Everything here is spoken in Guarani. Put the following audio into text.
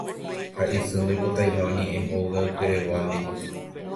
he'i isy ndoipotaiha oñe'ẽ hogaykeregua ndive